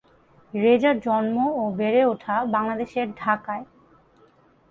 রেজার জন্ম ও বেড়ে উঠা বাংলাদেশের ঢাকায়।